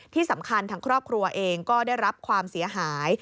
ที่สำคัญทางครอบครัวเองก็ได้รับความเสียหาย